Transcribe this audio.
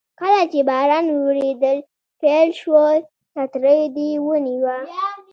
کله چې باران وریدل پیل شول چترۍ دې ونیوه.